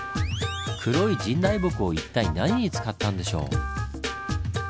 黒い神代木を一体何に使ったんでしょう？